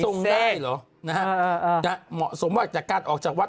พระทรงได้เหรอนะฮะเหมาะส่งมากจากการออกจากวัด